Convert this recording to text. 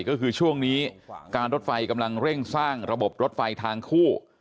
ก็คือช่วงนี้การรถไฟกำลังเร่งสร้างระบบรถไฟทางคู่